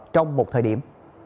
trong một thời điểm